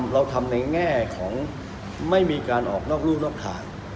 เราทำในแง่ของไม่มีการออกนอกรูนอกทาง